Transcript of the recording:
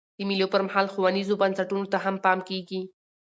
د مېلو پر مهال ښوونیزو بنسټونو ته هم پام کېږي.